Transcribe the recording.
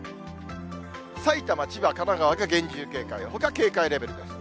埼玉、千葉、神奈川が厳重警戒、ほか警戒レベルです。